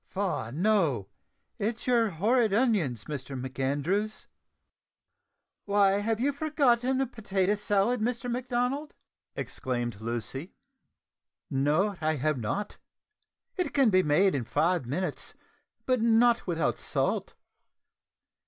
"Faugh! no, it's your horrid onions, Mr MacAndrews." "Why, you have forgotten the potato salad, Mr Macdonald," exclaimed Lucy. "No, I have not: it can be made in five minutes, but not without salt.